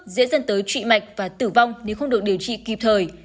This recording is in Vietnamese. dễ dẫn tới trị mạch và tử vong nếu không được điều trị kịp thời